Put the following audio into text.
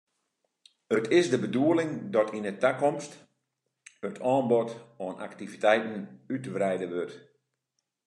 It is de bedoeling dat yn 'e takomst it oanbod oan aktiviteiten útwreide wurdt.